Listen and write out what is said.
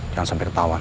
jangan sampai ketauan